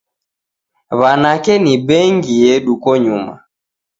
Wanake ni bengi yedu konyuma.